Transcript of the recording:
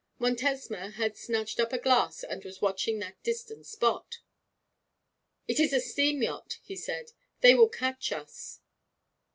Montesma had snatched up a glass and was watching that distant spot. 'It is a steam yacht,' he said. 'They will catch us.'